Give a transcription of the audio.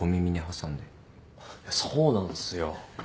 そうなんすよ。